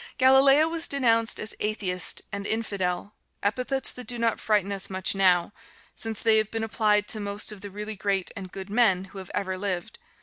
Galileo was denounced as "atheist" and "infidel" epithets that do not frighten us much now, since they have been applied to most of the really great and good men who have ever lived.